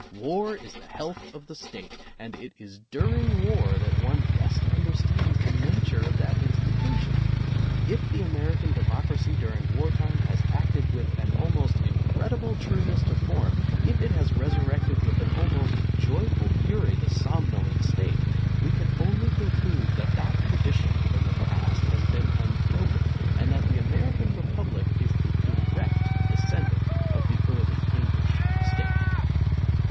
War is the health of the State, and it is during war that one best understands the nature of that insti tution. If the American democracy during war time has acted with an almost incredible trueness to form, if it has resurrected with an almost joyful fury the somnolent State, we can only conclude that that tradition from the past has been un broken, and that the American republic is the [ 193] direct descendant of the early English State.